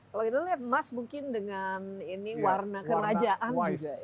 kalau kita lihat emas mungkin dengan ini warna kerajaan juga